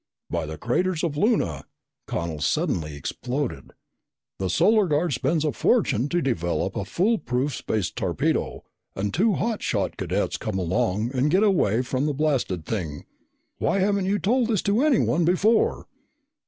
"By the craters of Luna!" Connel suddenly exploded. "The Solar Guard spends a fortune to develop a foolproof space torpedo and two hot shot cadets come along and get away from the blasted thing! Why haven't you told this to anyone before?"